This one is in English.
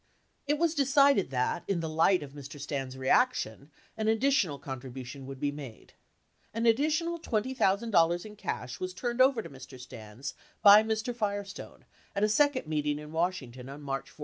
It was decided that, in the light of Mr. Stans' reaction, an additional contribution would be made. An additional $20,000 in cash was turned over to Mr. Stans by Mr. Firestone at a second meeting in Washington on March 14.